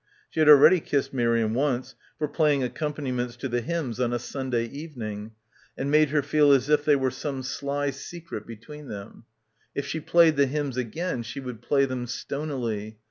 She had already kissed Miriam once — for playing accompaniments to the hymns on a Sunday evening, and made her feel as if there were some sly secret between them. — 240 — BACKWATER If she played the hymns again she would play them stonily